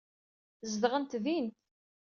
Zedɣent din.